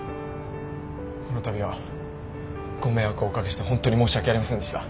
このたびはご迷惑をお掛けしてホントに申し訳ありませんでした。